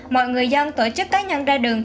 mọi người dân tổ chức cá nhân ra đường